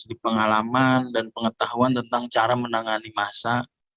di pengalaman dan pengetahuan tentang cara menangani masa